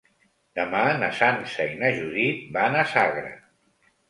Demà na Sança i na Judit van a Sagra.